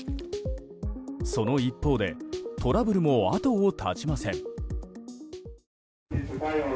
その一方でトラブルも後を絶ちません。